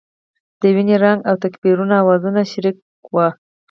د وینې رنګ او تکبیرونو اوازونه شریک وو.